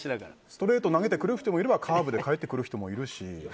ストレート投げてくる人もいればカーブで返す人もいるし。